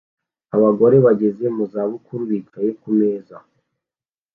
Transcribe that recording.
Abagore bageze mu zabukuru bicaye ku meza